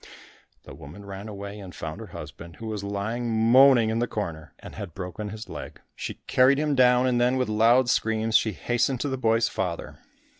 The woman ran away and found her husband, who was lying moaning in the corner, and had broken his leg. She carried him down, and then with loud screams she hastened to the boy's father.